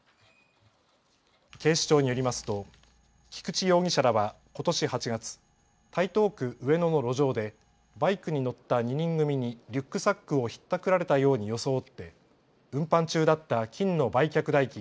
警視庁によりますと菊地容疑者らはことし８月、台東区上野の路上でバイクに乗った２人組にリュックサックをひったくられたように装って、運搬中だった金の売却代金